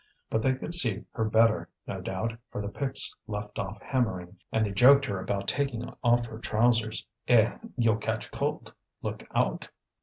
But they could see her better, no doubt, for the picks left off hammering, and they joked her about taking off her trousers. "Eh! you'll catch cold; look out!"